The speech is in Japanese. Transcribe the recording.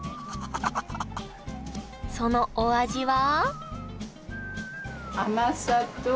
そのお味は？